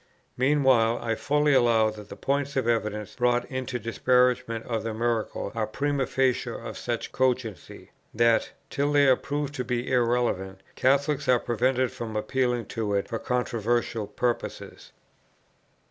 Meanwhile, I fully allow that the points of evidence brought in disparagement of the miracle are primâ facie of such cogency, that, till they are proved to be irrelevant, Catholics are prevented from appealing to it for controversial purposes.